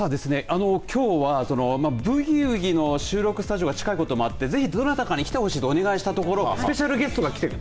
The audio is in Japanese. きょうはブギウギの収録スタジオが近いこともあってぜひ、どなたかに来てほしいとお願いしたところスペシャルゲストが来ている。